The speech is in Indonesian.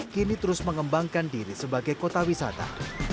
kini terus mengembangkan diri sebagai kota wisata